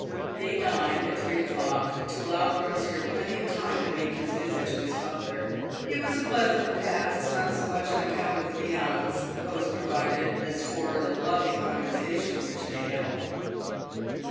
They dined at three o'clock, to allow Crosier plenty of time to make his visit to his father. It was a pleasant repast, not so much on account of the viands the host provided as for the loving conversation which they held.